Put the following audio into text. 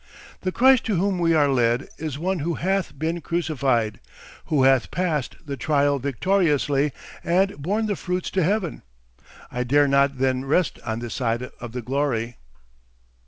The Christ to whom we are led is One who 'hath been crucified,' who hath passed the trial victoriously and borne the fruits to heaven. I dare not then rest on this side of the glory."